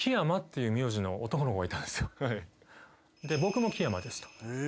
僕も木山ですと。